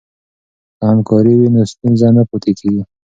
که همکاري وي نو ستونزه نه پاتې کیږي.